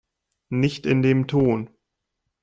Nicht in dem Ton!